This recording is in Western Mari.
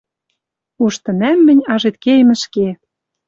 Уж тӹнӓм мӹнь ажед кеем ӹшке». —